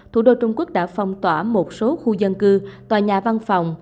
thủ đô trung quốc đã phong tỏa một số khu dân cư tòa nhà văn phòng